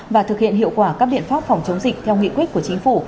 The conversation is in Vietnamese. và thực hiện hiệu quả các biện pháp phòng chống dịch theo nghị quyết của chính phủ